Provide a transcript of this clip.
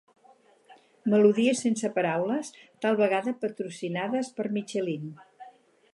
Melodies sense paraules, tal vegada patrocinades per Michelin.